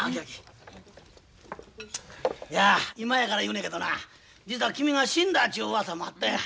いや今やから言うねんけどな実は君が死んだちゅううわさもあったんや。